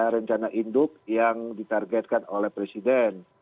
rencana induk yang ditargetkan oleh presiden